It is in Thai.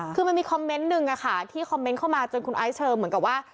คือมันมีคอมเมนต์หนึ่งที่คอมเมนต์เข้ามาจนคุณไอซ์เชิมเหมือนกับว่า